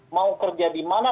mau kerja di mana